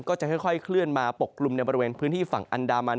ก็จะค่อยเคลื่อนมาปกกลุ่มในบริเวณพื้นที่ฝั่งอันดามัน